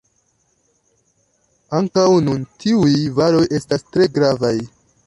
Ankaŭ nun tiuj varoj estas tre gravaj.